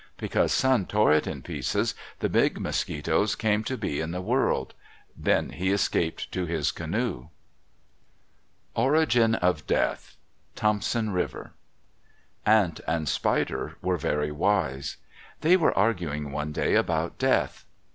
Because Sun tore it in pieces, the big mosquitoes came to be in the world. Then he escaped to his canoe. ORIGIN OF DEATH Thompson River Ant and Spider were very wise. They were arguing one day about death.